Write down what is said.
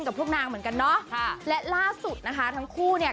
กับพวกนางเหมือนกันเนาะค่ะและล่าสุดนะคะทั้งคู่เนี่ย